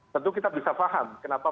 tentu kita bisa paham kenapa